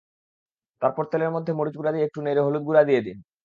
তারপর তেলের মধ্যে মরিচ গুঁড়া দিয়ে একটু নেড়ে হলুদ গুঁড়া দিয়ে দিন।